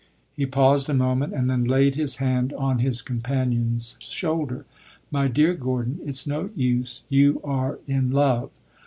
He paused a moment, and then laid his hand on his companion's shoulder. "My dear Gordon, it 's no use; you are in love."